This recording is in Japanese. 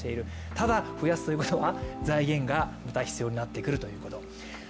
ただ、増やすということは財源がまた必要になってくるということです。